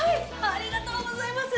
ありがとうございます！